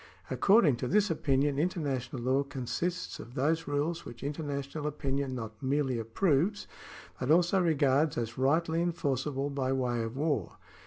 According to this opinion international law consists of those rules which international opinion not merely approves, but also regards as rightly enforceable by way of war.